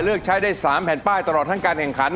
เลือกใช้ได้๓แผ่นป้ายตลอดทั้งการแข่งขัน